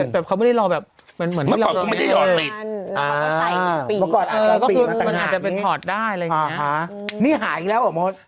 แบบเขาไม่ได้รอแบบมันเหมือนที่เราก็ไม่ได้รอติดมันอาจจะเป็นถอดได้อะไรอย่างนี้นี่หายอีกแล้วเหรอมด